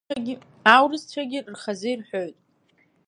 Аурысцәагьы рхазы ирҳәоит.